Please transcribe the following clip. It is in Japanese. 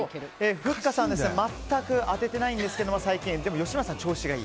ふっかさんが全く当てていないんですがでも、吉村さんが調子がいい。